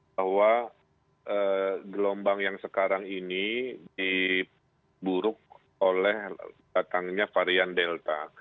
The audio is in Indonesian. bahwa gelombang yang sekarang ini diburuk oleh datangnya varian delta